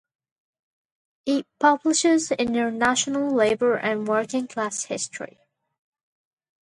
It publishes "International Labor and Working-Class History".